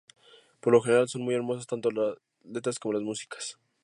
Por lo general son muy hermosas tanto las letras como las músicas.